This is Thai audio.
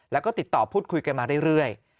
แล้วก็ติดต่อพูดคุยกันมาเรื่อย